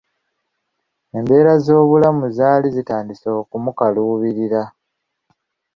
Embeera z'obulamu zaali zitandise okumukaluubirira.